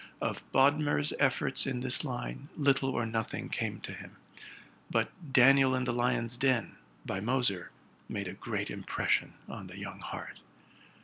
Of Bodmer's efforts in this line, little or noth ing came to him; but '* Daniel in the Lion's Den,'' by Moser, made a great impression on the young heart.